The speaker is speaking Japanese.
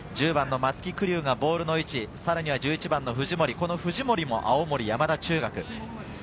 １０番の松木玖生がボールの位置、さらには１１番の藤森、藤森も青森山田中学。